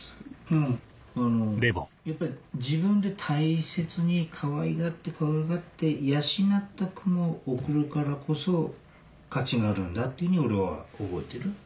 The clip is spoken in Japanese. うんあのやっぱり自分で大切にかわいがってかわいがって養った熊を送るからこそ価値があるんだっていうふうに俺は覚えてる。